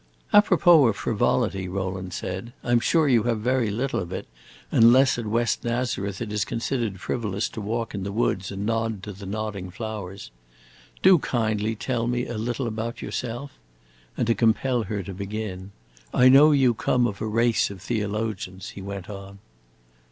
"Apropos of frivolity," Rowland said, "I 'm sure you have very little of it, unless at West Nazareth it is considered frivolous to walk in the woods and nod to the nodding flowers. Do kindly tell me a little about yourself." And to compel her to begin, "I know you come of a race of theologians," he went on.